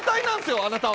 あなたは。